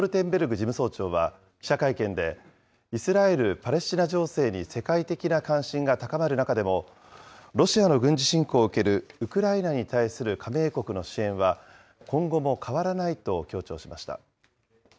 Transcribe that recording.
事務総長は、記者会見で、イスラエル・パレスチナ情勢に世界的な関心が高まる中でも、ロシアの軍事侵攻を受けるウクライナに対する加盟国の支援は、今後も変わらないと強調しました。